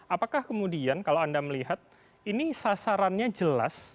apakah kemudian kalau anda melihat ini sasarannya jelas